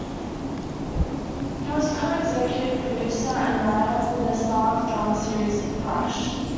He was a co-executive producer and writer for the Starz drama series "Crash".